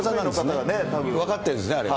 分かってるんですね、あれね。